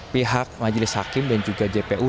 pihak majelis hakim dan juga jpu